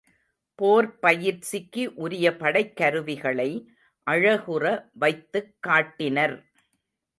போர்ப் பயிற்சிக்கு உரிய படைக் கருவிகளை அழகுற வைத்துக் காட்டினர்.